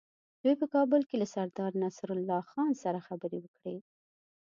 دوی په کابل کې له سردار نصرالله خان سره خبرې وکړې.